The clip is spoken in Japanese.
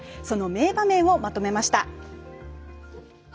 その名場面をまとめました。